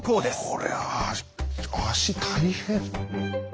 こりゃ足大変。